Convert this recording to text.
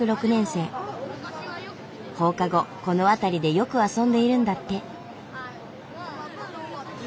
放課後この辺りでよく遊んでいるんだって。